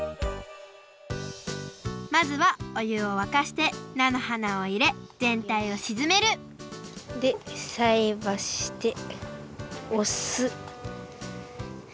まずはおゆをわかして菜の花をいれぜんたいをしずめるでさいばしでおす。